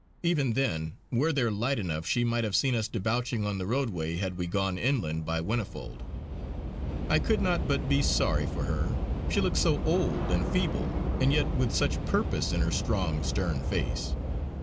Even then, were there light enough, she might have seen us debouching on the roadway had we gone inland by Whinnyfold. I could not but be sorry for her; she looked so old and feeble, and yet with such purpose in her strong, stern face.